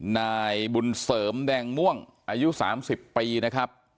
นายบุญเสริมแดงม่วงอายุ๓๐ปีนะครับ